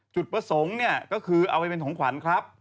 จุดประสงค์เนี่ยก็คือเอาไปเป็นของขวัญครับ